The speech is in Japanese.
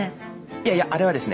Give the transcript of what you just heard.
いやいやあれはですね